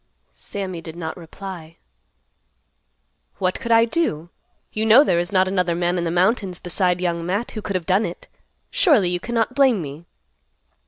Sammy did not reply. "What could I do? You know there is not another man in the mountains beside Young Matt who could have done it. Surely you cannot blame me."